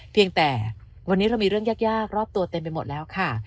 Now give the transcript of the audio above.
เพียงแต่วันนี้เรามีเรื่องยากรอบตัวเต็มไปหมดแล้วค่ะ